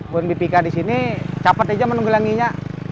buat bpk di sini cepat aja menunggu langinya